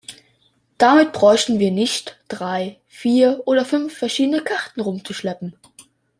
Damit bräuchten wir nicht drei, vier oder fünf verschiedene Karten rumzuschleppen.